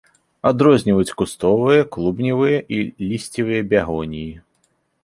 Адрозніваюць кустовыя, клубневыя і лісцевыя бягоніі.